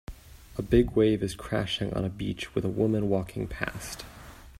A big wave is crashing on a beach with a woman walking past.